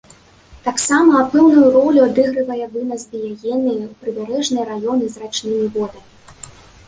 Таксама, пэўную ролю адыгрывае вынас біягенныя ў прыбярэжныя раёны з рачнымі водамі.